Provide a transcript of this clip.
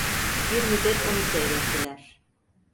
Bir müddet onu seyrettiler.